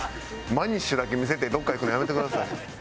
「マニッシュ」だけ見せてどっか行くのやめてください。